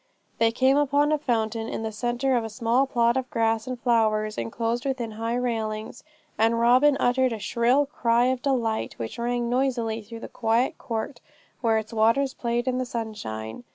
They came upon a fountain in the centre of a small plot of grass and flowers, enclosed within high railings; and Robin uttered a shrill cry of delight, which rang noisily through the quiet court where its waters played in the sunshine.